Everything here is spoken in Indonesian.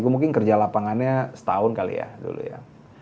gue mungkin kerja lapangannya setahun kali ya